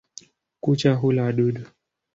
Kucha hula wadudu.